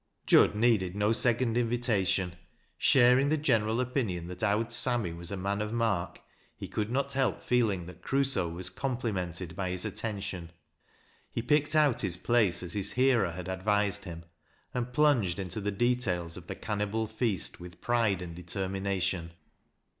Jud needed no second invitation. Sharing the general opinion that " Owd Sammy " was a man of mark, he could not help feeling "that Crusoe was oomplimented by his attention. He picked out his place, as his hearer had advised him, and plunged into the details of the cannibal feast with pride and determination.